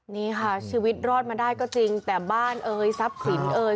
นี่ค่ะชีวิตรอดมาได้ก็จริงแต่บ้านเอ่ยทรัพย์สินเอ่ย